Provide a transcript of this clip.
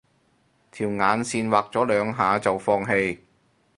條眼線畫咗兩下就放棄